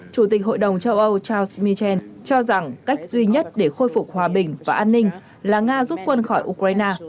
chủ tịch hội đồng châu âu tause michel cho rằng cách duy nhất để khôi phục hòa bình và an ninh là nga rút quân khỏi ukraine